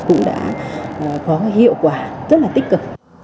cũng đã có hiệu quả rất là tích cực